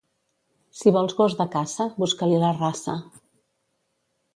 Si vols gos de caça, busca-li la raça.